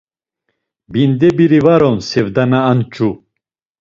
Binde biri var on sevda na anç̌u.